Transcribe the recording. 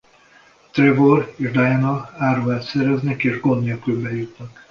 Trevor és Diana álruhát szereznek és gond nélkül bejutnak.